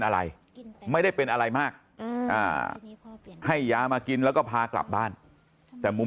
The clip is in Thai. อะไรไม่ได้เป็นอะไรมากให้ยามากินแล้วก็พากลับบ้านแต่มุม